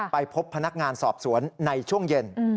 ไปพบพนักงานสอบสวนในช่วงเย็น